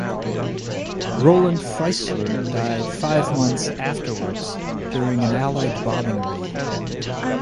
Roland Freisler died five months afterwards during an Allied bombing raid.